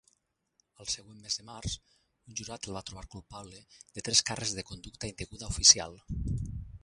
Al següent mes de març, un jurat el va trobar culpable de tres càrrecs de conducta indeguda oficial.